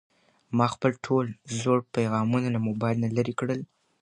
ما خپل ټول زوړ پيغامونه له موبایل نه لرې کړل.